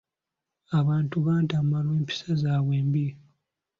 Abantu bantama olw'empisa zaabwe embi.